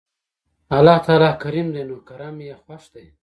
الله تعالی کريم دی نو کرَم ئي خوښ دی